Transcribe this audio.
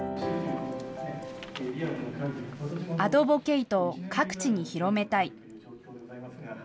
アドボケイトを各地に広めたい。